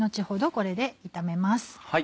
これで炒めます。